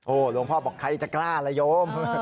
หลวงพ่อบอกใครจะกล้าละโยม